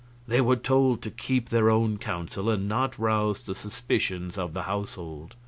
They were told to keep their own counsel, and not rouse the suspicions of the household.